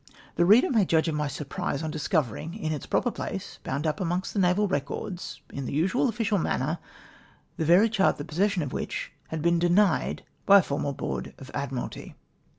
The reader may judge of my surprise on discovering, in its proper place, bound up amongst the Naval Records, in the usual official manner, the very chart the jyossession of ivhich had been denied by a former Board of Admiralty